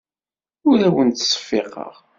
Ur awent-ttseffiqeɣ.